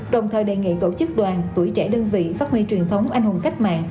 đồng thời đề nghị tổ chức đoàn tuổi trẻ đơn vị phát huy truyền thống anh hùng cách mạng